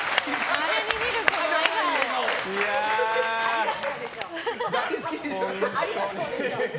ありがとうでしょ。